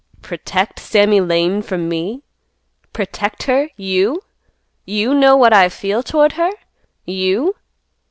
"Protect Sammy Lane from me! Protect her, you! You know what I feel toward her? You!"